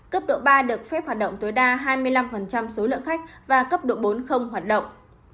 cấp độ ba được phép hoạt động tối đa hai mươi năm số lượng khách và cấp độ bốn hoạt động